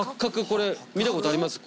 これ見たことあります？